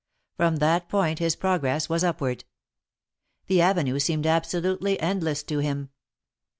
From that point his progress was upward. The avenue seemed absolutely endless to him.